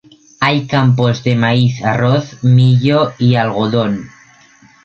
Hay campos de maíz, arroz, mijo y algodón.